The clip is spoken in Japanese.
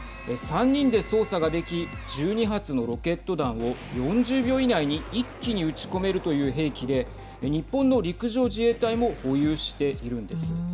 ３人で操作ができ１２発のロケット弾を４０秒以内に一気に撃ち込めるという兵器で日本の陸上自衛隊も保有しているんです。